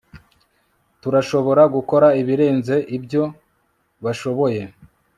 turashobora gukora ibirenze ibyo bashoboye